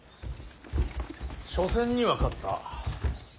緒戦には勝った。